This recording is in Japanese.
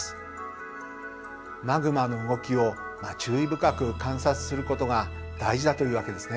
マグマの動きを注意深く観察することが大事だというわけですね。